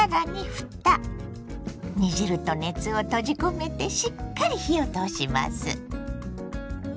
煮汁と熱を閉じ込めてしっかり火を通します。